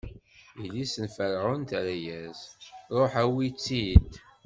Yelli-s n Ferɛun terra-as: Ruḥ awi-tt-id!